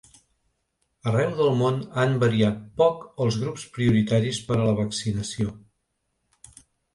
Arreu del món han variat poc els grups prioritaris per a la vaccinació.